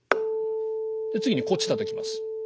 次にこっちたたきます。